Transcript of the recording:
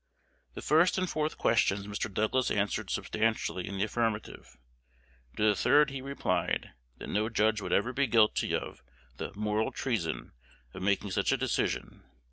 The first and fourth questions Mr. Douglas answered substantially in the affirmative. To the third he replied, that no judge would ever be guilty of the "moral treason" of making such a decision.